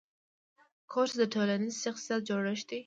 کورس د ټولنیز شخصیت جوړښت دی.